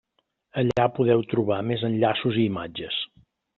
Allà podeu trobar més enllaços i imatges.